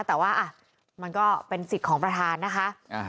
แต่ว่ามันก็เป็นสิทธิ์ของประธานนะคะ